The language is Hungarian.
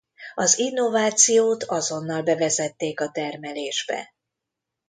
Az innovációt azonnal bevezették a termelésbe.